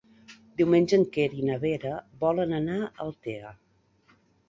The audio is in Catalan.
Diumenge en Quer i na Vera volen anar a Altea.